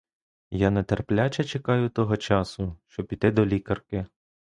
Я нетерпляче чекаю того часу, щоб іти до лікарки.